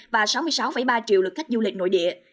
và sáu mươi sáu ba triệu lực khách du lịch nội địa